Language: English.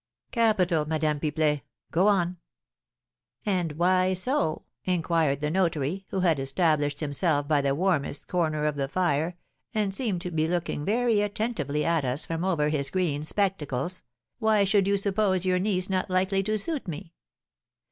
'" "Capital, Madame Pipelet; go on." "'And why so?' inquired the notary, who had established himself by the warmest corner of the fire, and seemed to be looking very attentively at us from over his green spectacles, 'why should you suppose your niece not likely to suit me?'